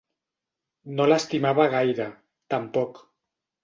No l'estimava gaire, tampoc.